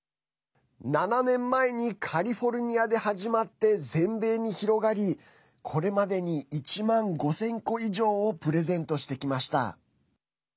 ７年前にカリフォルニアで始まって全米に広がりこれまでに１万５０００個以上をプレゼントしてきました。